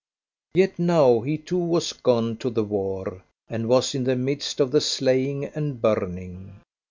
Yet now, he too was gone to the war, and was in the midst of the slaying and burning.